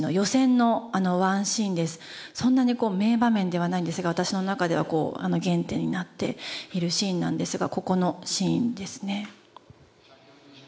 そんなに名場面ではないんですが私の中では原点になっているシーンなんですがここのシーンですね。